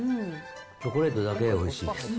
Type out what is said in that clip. チョコレートだけでおいしいです